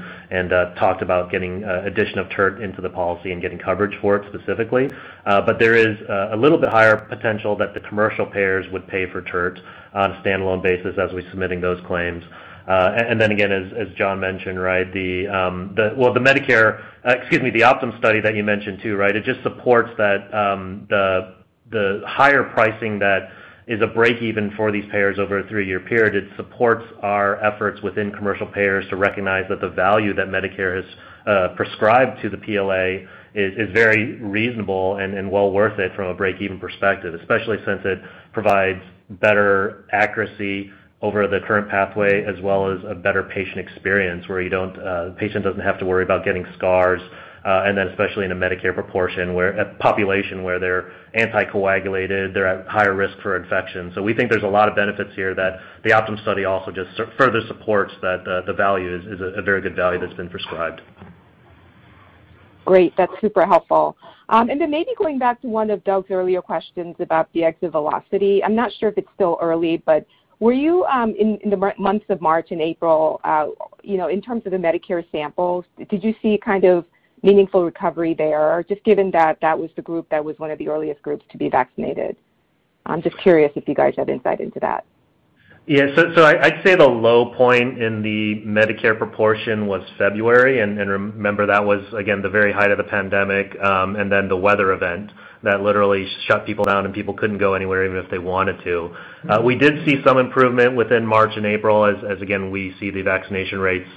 talked about getting addition of TERT into the policy and getting coverage for it specifically. There is a little bit higher potential that the commercial payers would pay for TERT on a standalone basis as we're submitting those claims. Again, as John mentioned, the Optum study that you mentioned too, right? It just supports that the higher pricing that is a break even for these payers over a three-year period, it supports our efforts within commercial payers to recognize that the value that Medicare has prescribed to the PLA is very reasonable and well worth it from a break-even perspective. Especially since it provides better accuracy over the current pathway, as well as a better patient experience where the patient doesn't have to worry about getting scars, and then especially in a Medicare population where they're anticoagulated, they're at higher risk for infection. We think there's a lot of benefits here that the Optum study also just further supports that the value is a very good value that's been prescribed. Great. That's super helpful. Then maybe going back to one of Doug's earlier questions about the exit velocity. I'm not sure if it's still early, but were you, in the months of March and April, in terms of the Medicare samples, did you see kind of meaningful recovery there? Just given that that was the group that was one of the earliest groups to be vaccinated. I'm just curious if you guys have insight into that. I'd say the low point in the Medicare proportion was February, and remember that was, again, the very height of the pandemic, and then the weather event that literally shut people down and people couldn't go anywhere even if they wanted to. We did see some improvement within March and April as, again, we see the vaccination rates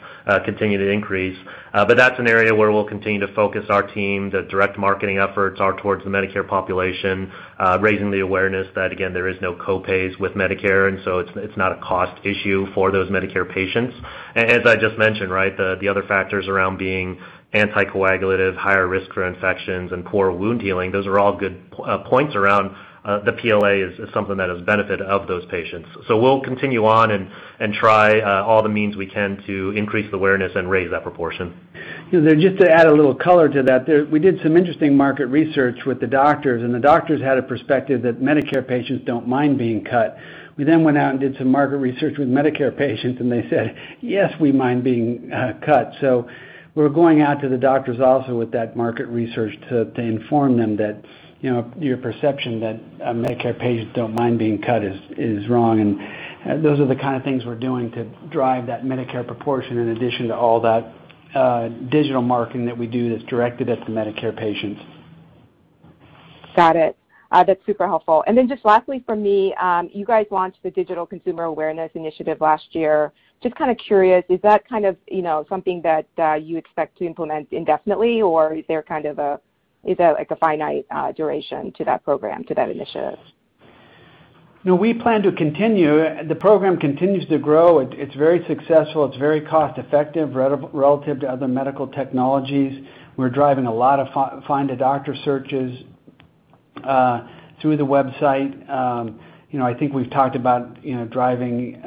continue to increase. That's an area where we'll continue to focus our team. The direct marketing efforts are towards the Medicare population, raising the awareness that, again, there is no co-pays with Medicare, and so it's not a cost issue for those Medicare patients. As I just mentioned, the other factors around being anticoagulative, higher risk for infections, and poor wound healing, those are all good points around the PLA is something that is benefit of those patients. We'll continue on and try all the means we can to increase the awareness and raise that proportion. Just to add a little color to that, we did some interesting market research with the doctors. The doctors had a perspective that Medicare patients don't mind being cut. We went out and did some market research with Medicare patients. They said, yes, we mind being cut. We're going out to the doctors also with that market research to inform them that your perception that Medicare patients don't mind being cut is wrong. Those are the kind of things we're doing to drive that Medicare proportion in addition to all that digital marketing that we do that's directed at the Medicare patients. Got it. That's super helpful. Just lastly from me, you guys launched the Digital Consumer Awareness Initiative last year. Just kind of curious, is that something that you expect to implement indefinitely, or is there a finite duration to that program, to that initiative? No, we plan to continue. The program continues to grow. It's very successful. It's very cost-effective, relative to other medical technologies. We're driving a lot of Find a Doctor searches through the website. I think we've talked about driving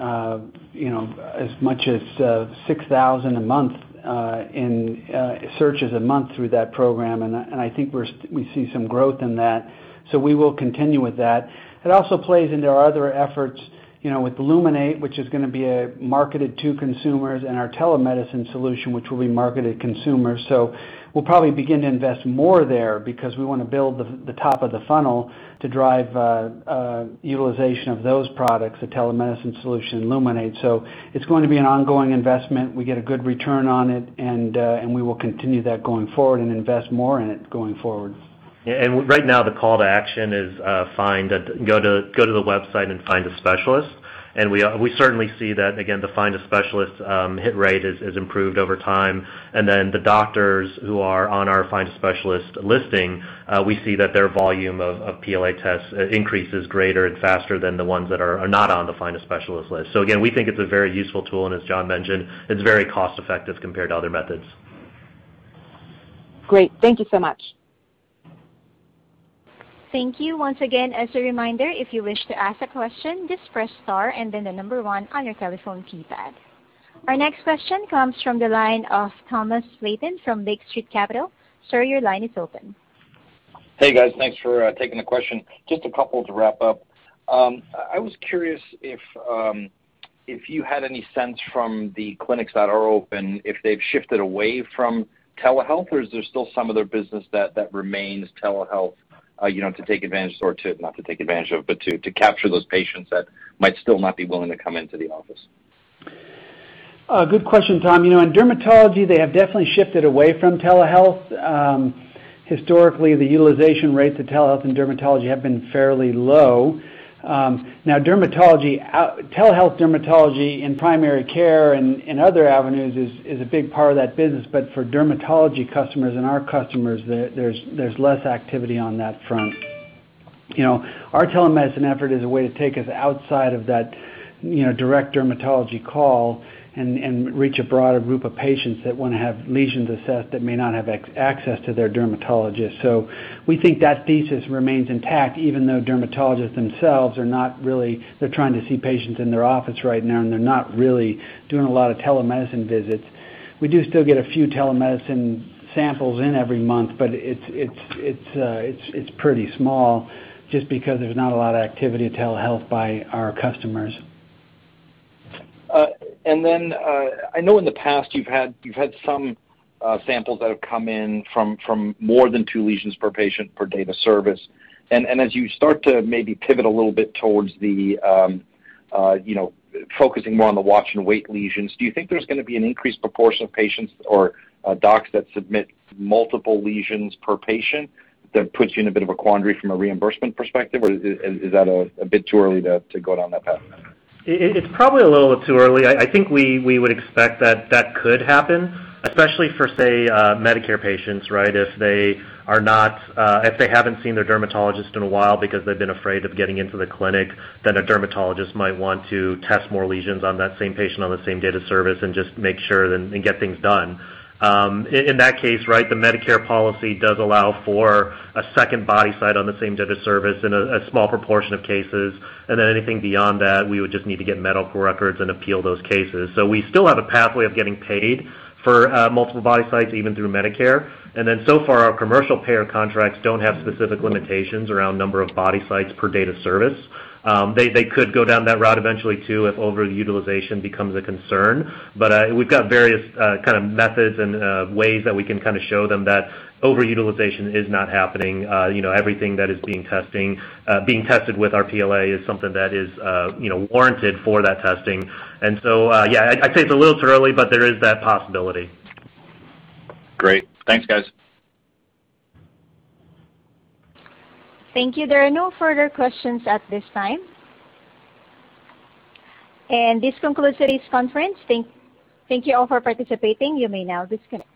as much as 6,000 searches a month through that program, and I think we see some growth in that, we will continue with that. It also plays into our other efforts, with Luminate, which is going to be marketed to consumers, and our telemedicine solution, which will be marketed consumer. We'll probably begin to invest more there because we want to build the top of the funnel to drive utilization of those products, the telemedicine solution and Luminate. It's going to be an ongoing investment. We get a good return on it, and we will continue that going forward and invest more in it going forward. Right now, the call to action is go to the website and find a specialist. We certainly see that, again, the Find a Specialist hit rate has improved over time. The doctors who are on our Find a Specialist listing, we see that their volume of PLA tests increases greater and faster than the ones that are not on the Find a Specialist list. Again, we think it's a very useful tool, and as John mentioned, it's very cost-effective compared to other methods. Great. Thank you so much. Thank you. Once again, as a reminder, if you wish to ask a question, just press star and then the number one on your telephone keypad. Our next question comes from the line of Thomas Flaten from Lake Street Capital. Sir, your line is open. Hey, guys. Thanks for taking the question. Just a couple to wrap up. I was curious if you had any sense from the clinics that are open, if they've shifted away from telehealth, or is there still some of their business that remains telehealth, not to take advantage of, but to capture those patients that might still not be willing to come into the office? Good question, Thomas. In dermatology, they have definitely shifted away from telehealth. Historically, the utilization rates of telehealth in dermatology have been fairly low. Now, telehealth dermatology in primary care and other avenues is a big part of that business, but for dermatology customers and our customers, there's less activity on that front. Our telemedicine effort is a way to take us outside of that direct dermatology call and reach a broader group of patients that want to have lesions assessed that may not have access to their dermatologist. We think that thesis remains intact, even though dermatologists themselves are not really. They're trying to see patients in their office right now, and they're not really doing a lot of telemedicine visits. We do still get a few telemedicine samples in every month, but it's pretty small just because there's not a lot of activity in telehealth by our customers. I know in the past you've had some samples that have come in from more than two lesions per patient per date of service. As you start to maybe pivot a little bit towards focusing more on the watch and wait lesions, do you think there's going to be an increased proportion of patients or docs that submit multiple lesions per patient that puts you in a bit of a quandary from a reimbursement perspective, or is that a bit too early to go down that path? It's probably a little too early. I think we would expect that that could happen, especially for, say, Medicare patients, right? If they haven't seen their dermatologist in a while because they've been afraid of getting into the clinic, a dermatologist might want to test more lesions on that same patient on the same date of service and just make sure and get things done. In that case, right, the Medicare policy does allow for a second body site on the same date of service in a small proportion of cases. Anything beyond that, we would just need to get medical records and appeal those cases. We still have a pathway of getting paid for multiple body sites, even through Medicare. So far, our commercial payer contracts don't have specific limitations around number of body sites per date of service. They could go down that route eventually, too, if over-utilization becomes a concern. We've got various kind of methods and ways that we can show them that over-utilization is not happening. Everything that is being tested with our PLA is something that is warranted for that testing. Yeah, I'd say it's a little too early, but there is that possibility. Great. Thanks, guys. Thank you. There are no further questions at this time. This concludes today's conference. Thank you all for participating. You may now disconnect.